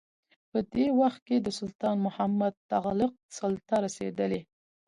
په دې وخت کې د سلطان محمد تغلق سلطه رسېدلې.